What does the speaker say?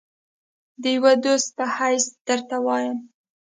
د یوه دوست په حیث درته وایم.